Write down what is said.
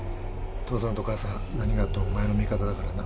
父さんと母さん何があってもお前の味方だからな